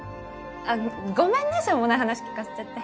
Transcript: あっごめんねしょうもない話聞かせちゃって。